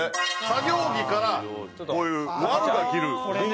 作業着からこういうワルが着る。